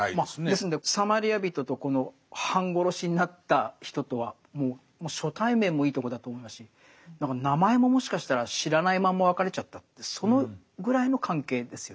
ですんでサマリア人とこの半殺しになった人とはもう初対面もいいとこだと思いますし名前ももしかしたら知らないまんま別れちゃったそのぐらいの関係ですよね。